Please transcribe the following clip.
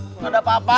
gak ada apa apa